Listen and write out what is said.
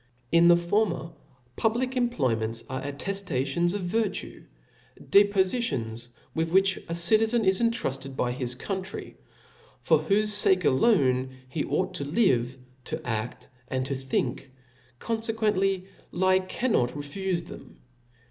In the former, public employments are atteftations of virtue, depofitums with which a citizen is entrufted by his country, for whofe fake alone, he ought to live, to a<9:, and to think; confequently he can* not refufethem *.